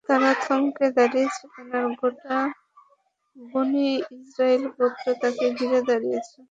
তারা থমকে দাঁড়িয়েছিলেন আর গোটা বনী ইসরাঈল গোত্র তাদের ঘিরে দাঁড়িয়েছিল।